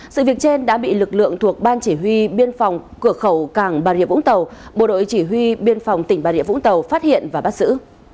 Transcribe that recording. sự việc trên đã bị lực lượng thuộc ban chỉ huy biên phòng cửa khẩu càng bà rịa vũng tàu bộ đội chỉ huy biên phòng tỉnh bà rịa vũng tàu phát hiện và bắt giữ